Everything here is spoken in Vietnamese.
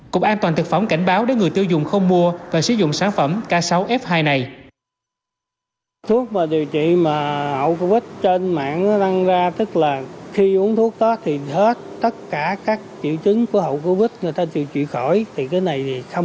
cục an toàn thực phẩm cảnh báo để người tiêu dùng không mua và sử dụng sản phẩm k sáu f hai này